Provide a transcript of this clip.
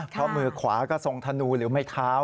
เพราะมือขวาก็ทรงธนูหรือไม่เท้า